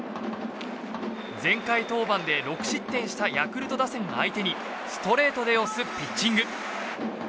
前回登板で６失点したヤクルト打線相手にストレートで押すピッチング。